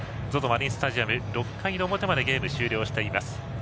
マリンスタジアム６回の表までゲームが終了しています。